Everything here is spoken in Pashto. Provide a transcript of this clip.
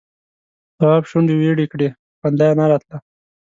تواب شونډې ويړې کړې خو خندا یې نه راتله.